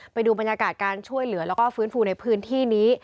ไปดูบรรยากาศการช่วยเหลือแล้วก็ฟื้นฟูในพื้นที่นี้